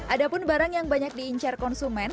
ada pun barang yang banyak diincar konsumen